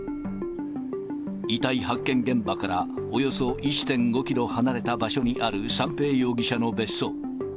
遺体発見現場からおよそ１．５キロ離れた場所にある三瓶容疑者の別荘。